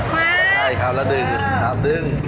มากมั่กแล้วดึงดึง